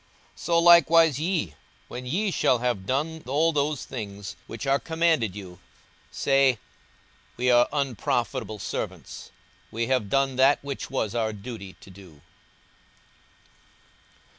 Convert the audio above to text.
42:017:010 So likewise ye, when ye shall have done all those things which are commanded you, say, We are unprofitable servants: we have done that which was our duty to do.